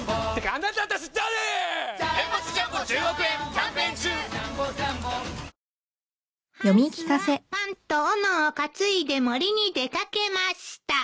「ハンスはパンとおのを担いで森に出掛けました」